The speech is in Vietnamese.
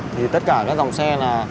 thì tất cả các dòng xe là